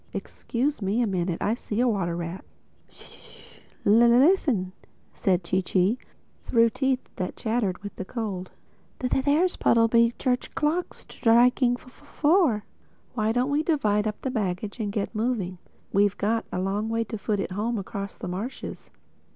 —Excuse me a minute: I see a water rat." "Sh!—Listen!" said Chee Chee through teeth that chattered with the cold. "There's Puddleby church clock striking four. Why don't we divide up the baggage and get moving. We've got a long way to foot it home across the marshes."